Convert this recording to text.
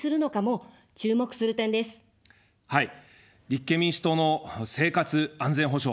立憲民主党の生活安全保障。